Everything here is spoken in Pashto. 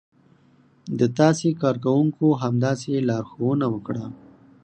د تاسې کارکونکو همداسې لارښوونه وکړه.